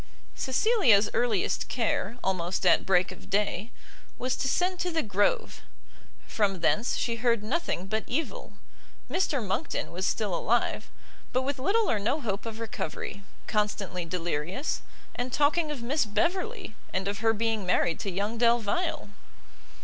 Cecilia's earliest care, almost at break of day, was to send to the Grove; from thence she heard nothing but evil; Mr Monckton was still alive, but with little or no hope of recovery, constantly delirious, and talking of Miss Beverley, and of her being married to young Delvile.